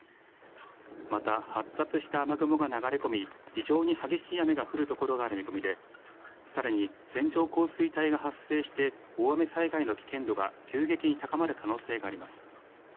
また、発達した雨雲が流れ込み、非常に激しい雨が降る所がある見込みで、さらに線状降水帯が発生して、大雨災害の危険度が急激に高まる可能性があります。